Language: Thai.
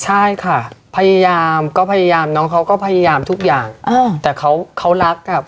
ใช่ค่ะพยายามก็พยายามน้องเขาก็พยายามทุกอย่างแต่เขาเขารักอ่ะ